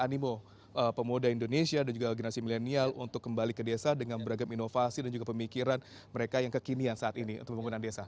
animo pemuda indonesia dan juga generasi milenial untuk kembali ke desa dengan beragam inovasi dan juga pemikiran mereka yang kekinian saat ini untuk pembangunan desa